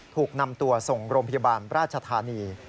ถูกนำตัวส่งโรงพยาบาลราชธานี